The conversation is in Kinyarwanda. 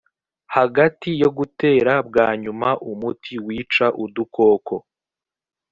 hagati yo gutera bwa nyuma umuti wica udukoko